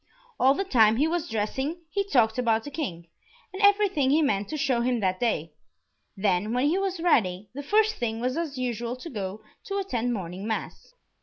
All the time he was dressing he talked about the King, and everything he meant to show him that day; then, when he was ready, the first thing was as usual to go to attend morning mass.